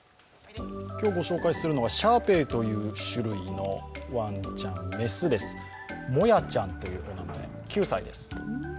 今日ご紹介するのはシャーペイという種類のワンちゃん、雌です、もやちゃんというお名前、９歳です。